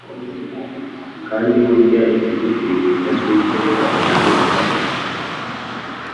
kandi burya ikigushimisha si cyo cyashimisha und